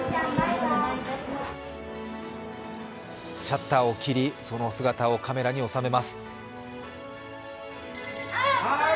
シャッターを切り、その姿をカメラに収めます。